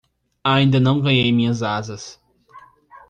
Ainda não ganhei minhas asas.